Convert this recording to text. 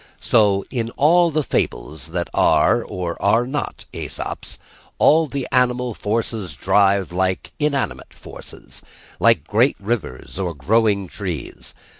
So in all the fables that are or are not Æsop's all the animal forces drive like inanimate forces, like great rivers or growing trees.